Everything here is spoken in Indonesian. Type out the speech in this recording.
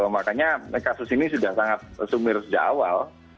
makanya kasus ini sudah sangat sumir sejak awal